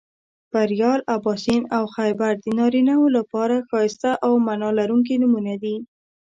بریال، اباسین او خیبر د نارینهٔ و لپاره ښایسته او معنا لرونکي نومونه دي